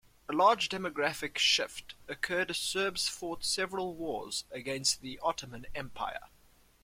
A large demographic shift occurred as Serbs fought several wars against the Ottoman Empire.